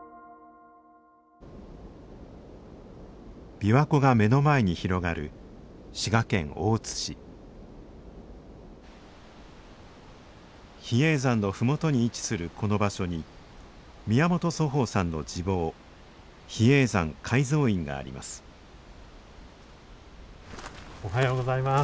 琵琶湖が目の前に広がる比叡山の麓に位置するこの場所に宮本祖豊さんの自坊比叡山戒蔵院がありますおはようございます。